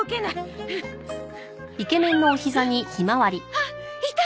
あっいた！